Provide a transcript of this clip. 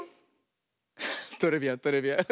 トレビアントレビアン。